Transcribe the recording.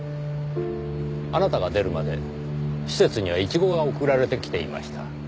あなたが出るまで施設にはいちごが送られてきていました。